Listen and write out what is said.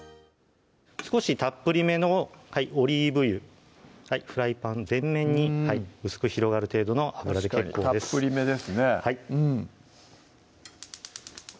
少したっぷりめのオリーブ油フライパン全面に薄く広がる程度の油で結構ですたっぷりめですね